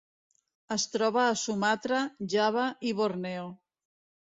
Es troba a Sumatra, Java i Borneo.